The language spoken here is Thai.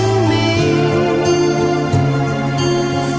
รัก